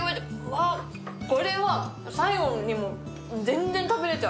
これは最後にも全然食べれちゃう。